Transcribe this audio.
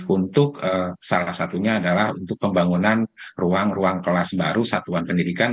untuk salah satunya adalah untuk pembangunan ruang ruang kelas baru satuan pendidikan